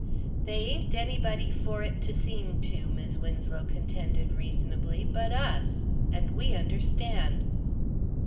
"They ain't anybody for it to seem to," Mis' Winslow contended reasonably, "but us. And we understand."